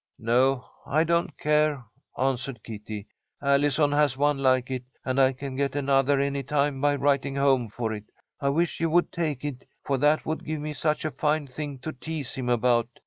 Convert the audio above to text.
"No, I don't care," answered Kitty. "Allison has one like it, and I can get another any time by writing home for it. I wish you would take it, for that would give me such a fine thing to tease him about.